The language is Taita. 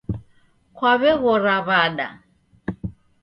Kwaw'eghora w'ada